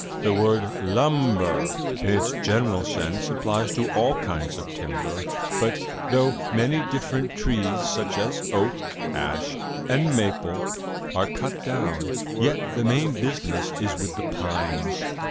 The word "lumber," in its general sense, applies to all kinds of timber. But though many different trees, such as oak, ash and maple, are cut down, yet the main business is with the pines.